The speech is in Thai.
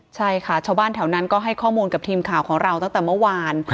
ใช่ค่ะชาวบ้านแถวนั้นก็ให้ข้อมูลกับทีมข่าวของเราตั้งแต่เมื่อวาน